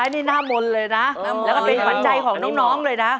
นี่หน้ามนต์เลยนะแล้วก็เป็นขวัญใจของน้องเลยนะ